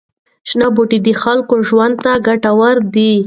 شنه بوټي د خلکو ژوند ته ګټور دي.